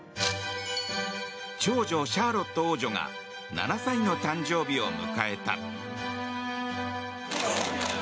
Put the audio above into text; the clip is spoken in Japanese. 長女シャーロット王女が７歳の誕生日を迎えた。